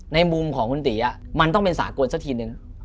ในมุมของคุณตีมันต้องเป็นสากลสักทีนึง